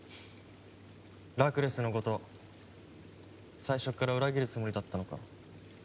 ラクレスのこと最初っから裏切るつもりだったのか？